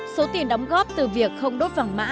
số tiền đóng góp từ việc không đốt vàng mã